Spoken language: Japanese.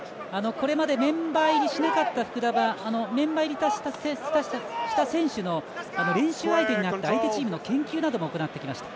これまでメンバー入りしなかった福田はメンバー入りした選手の練習相手になって相手チームの研究なども行ってきました。